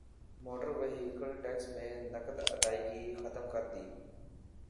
motor vehicle tax میں نقد ادائیگی ختم کردی